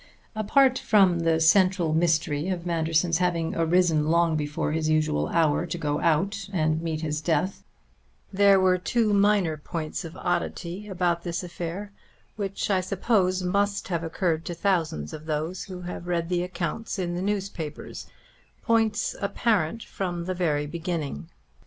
Apart from the central mystery of Manderson's having arisen long before his usual hour to go out and meet his death, there were two minor points of oddity about this affair which, I suppose, must have occurred to thousands of those who have read the accounts in the newspapers; points apparent from the very beginning.